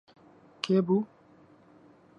کێ بوو؟